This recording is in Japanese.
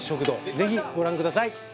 ぜひご覧ください！